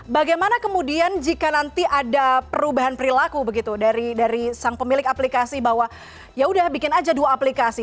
bagaimana kemudian jika nanti ada perubahan perilaku begitu dari sang pemilik aplikasi bahwa ya udah bikin aja dua aplikasi